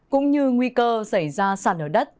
cũng như nguy cơ xảy ra sạt lở đất